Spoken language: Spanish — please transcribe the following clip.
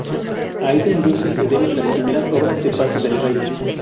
A esta industria se deben las primeras obras de Paso del Rey.